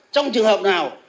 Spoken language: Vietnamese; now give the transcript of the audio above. trong trường hợp nào